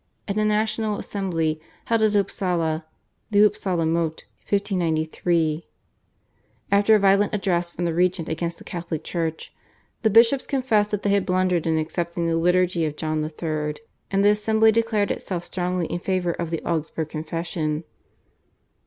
In a national Assembly held at Upsala (The "Upsala mote" 1593) after a very violent address from the regent against the Catholic Church, the bishops confessed that they had blundered in accepting the liturgy of John III., and the Assembly declared itself strongly in favour of the Augsburg Confession.